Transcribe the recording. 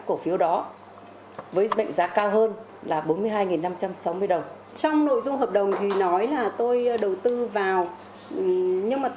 cô ấy bảo là bây giờ đã nộp tiền vào rồi